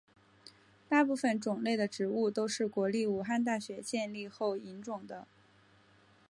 大部分种类的植物都是国立武汉大学建立后引种的。